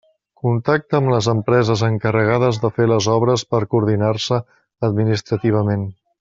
Contacta amb les empreses encarregades de fer les obres per coordinar-se administrativament.